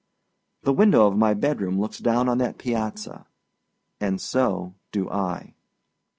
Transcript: The window of my bedroom looks down on that piazza and so do I.